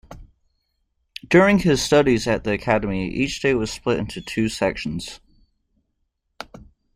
During his studies at the Academy, each day was split into two sections.